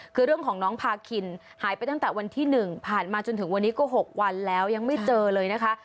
คือเรื่องของน้องพาคินหายไปตั้งแต่วันที่๑ผ่านมาจนถึงวันนี้ก็๖วันแล้วยังไม่เจอเลยนะคะ